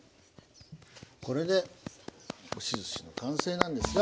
これで押しずしの完成なんですが。